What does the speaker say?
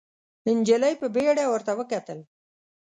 نجلۍ په بيړه ورته وکتل.